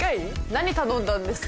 何頼んだんですか？